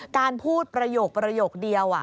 การพูดประโยคเดียว